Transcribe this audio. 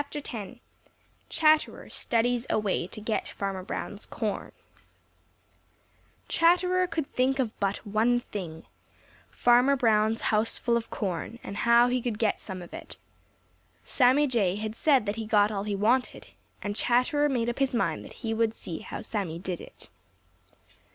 ] *X* *CHATTERER STUDIES A WAY TO GET FARMER BROWN'S CORN* Chatterer could think of but one thing—Farmer Brown's house full of corn, and how he could get some of it. Sammy Jay had said that he got all he wanted, and Chatterer made up his mind that he would see how Sammy did it.